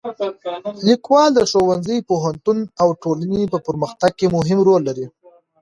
لیکوالی د ښوونځي، پوهنتون او ټولنې په پرمختګ کې مهم رول لري.